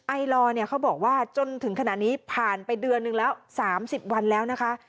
ไอลอร์เนี่ยเขาบอกว่าจนถึงขณะนี้ผ่านไปเดือนนึงแล้ว๓๐วันแล้วนะคะ